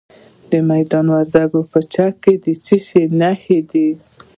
د میدان وردګو په چک کې د څه شي نښې دي؟